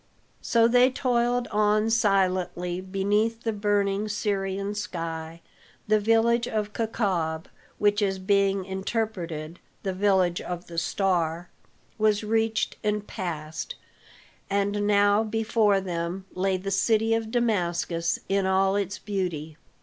So they toiled on silently beneath the burning Syrian sky. The village of Kaukab which is being interpreted the village of the Star was reached, and passed; and now before them lay the city of Damascus in all its beauty.